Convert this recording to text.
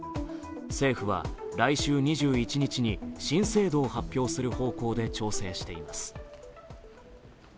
政府は来週２１日に新制度を発表する方向で調整しています。